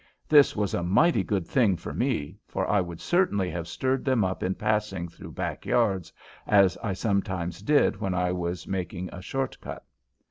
This was a mighty good thing for me, for I would certainly have stirred them up in passing through backyards, as I sometimes did when I was making a short cut.